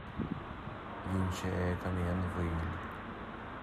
Rinne sé é gan aon mhoill.